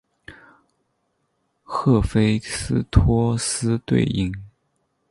赫菲斯托斯对应。